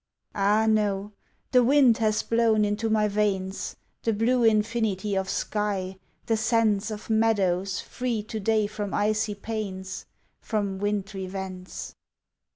Ah no, the wind has blown into my veins The blue infinity of sky, the sense Of meadows free to day from icy pains From wintry vents.